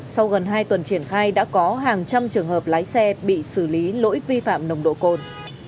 sau gần hai tuần triển khai đã có hàng trăm trường hợp lái xe bị xử lý lỗi vi phạm nồng độ cồn